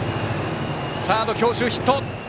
サード強襲ヒット。